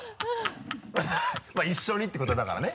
一緒にってことよだからね